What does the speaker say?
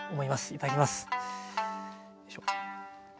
いただきます。